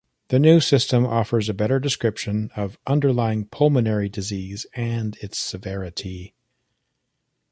The new system offers a better description of underlying pulmonary disease and its severity.